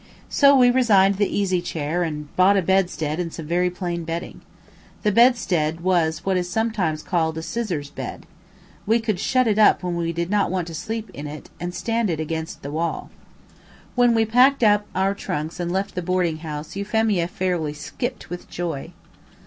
So we resigned the easy chair and bought a bedstead and some very plain bedding. The bedstead was what is sometimes called a "scissors bed." We could shut it up when we did not want to sleep in it, and stand it against the wall. When we packed up our trunks and left the boarding house Euphemia fairly skipped with joy.